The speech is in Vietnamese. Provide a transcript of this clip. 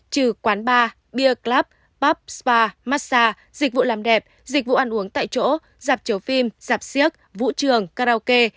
trừ quán bar beer club pub spa massage dịch vụ làm đẹp dịch vụ ăn uống tại chỗ dạp chiếu phim dạp siếc vũ trường karaoke